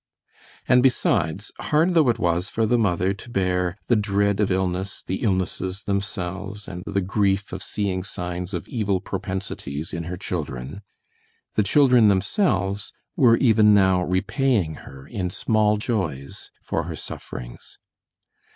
And besides, hard though it was for the mother to bear the dread of illness, the illnesses themselves, and the grief of seeing signs of evil propensities in her children—the children themselves were even now repaying her in small joys for her sufferings.